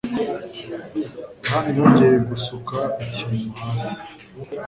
Yohani yongeye gusuka ikintu hasi?